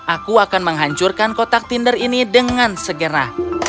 aku akan menghancurkan kotak tinder ini dengan segera